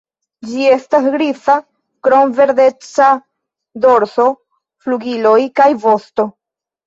Ĝi estas griza, krom verdeca dorso, flugiloj kaj vosto.